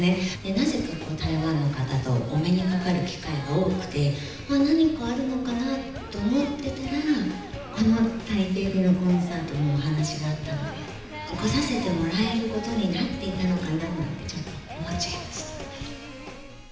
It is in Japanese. なぜか台湾の方とお目にかかる機会が多くて、何かあるのかなと思ってたら、この台北でのコンサートのお話があったので、来させてもらえることになっていたのかなって、ちょっと思っちゃいました。